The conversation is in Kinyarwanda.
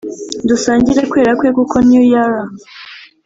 dusangire kwera kwe kuko new yara.